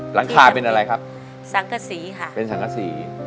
หลังคาเป็นอะไรครับสังกษีค่ะเป็นสังกษี